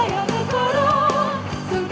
jiwa satria di dalam dada